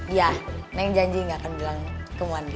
iya neng janji nggak akan bilang kemuandik